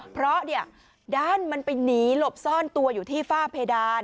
เพราะด้านมันไปหนีหลบซ่อนตัวอยู่ที่ฝ้าเพดาน